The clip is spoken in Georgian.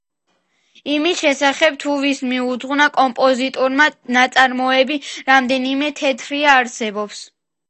იმის შესახებ, თუ ვის მიუძღვნა კომპოზიტორმა ნაწარმოები, რამდენიმე თეორია არსებობს.